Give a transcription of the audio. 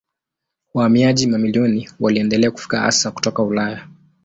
Wahamiaji mamilioni waliendelea kufika hasa kutoka Ulaya.